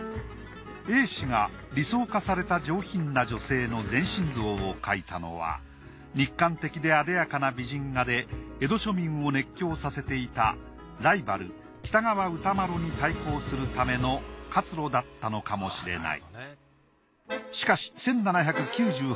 栄之が理想化された上品な女性の全身像を描いたのは肉感的であでやかな美人画で江戸庶民を熱狂させていたライバル喜多川歌麿に対抗するための活路だったのかもしれない。